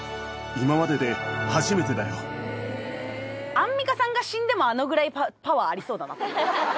アンミカさんが死んでもあのぐらいパワーありそうだな。